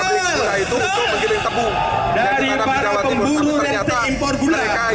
dari para pemburu dan pengimpor gula